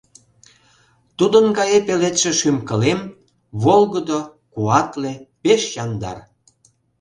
Тудын гае пеледше шӱм-кылем: Волгыдо, Куатле, Пеш яндар.